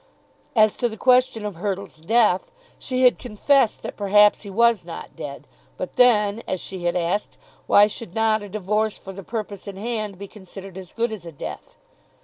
As to the question of Hurtle's death, she had confessed that perhaps he was not dead. But then, as she had asked, why should not a divorce for the purpose in hand be considered as good as a death?